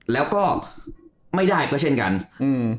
แล้วก็ไม่ได้ก็เช่นกันอืม